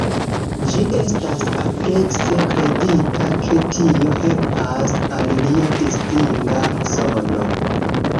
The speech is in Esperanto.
Ĝi estas amplekse kredita ke tio helpas al lia distinga sono.